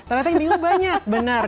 ternyata yang bingung banyak benar